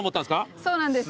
そうなんですよ。